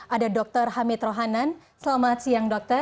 ada dr hamid rohanan selamat siang dokter